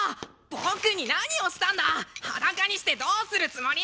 僕に何をしたんだ裸にしてどうするつもり！？